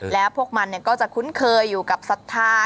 แล้วพวกมันก็จะคุ้นเคยอยู่กับศรัทธา